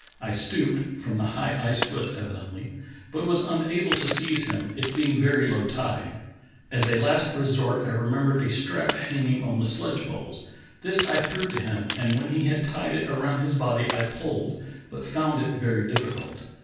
I stooped [from the high ice foot evidently] but was unable to seize him, it being very low tide. As a last resort I remembered a strap hanging on the sledge poles; this I threw to him, and when he had tied it around his body I pulled, but found it very difficult.